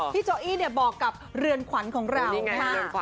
โจอี้บอกกับเรือนขวัญของเรานะคะ